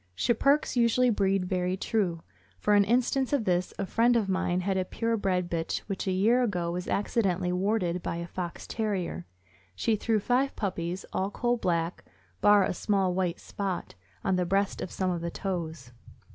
Schipperkes usually breed very true. For an instance of this, a friend of mine had a pure bred bitch which a year ago was accidentally warded by a Fox Terrier. She threw five puppies, all coal black, bar a small white spot on the breast and some on the toes.